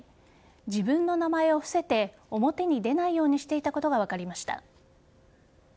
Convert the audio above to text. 自分の名前を伏せて表に出ないようにしていたことが分かりました。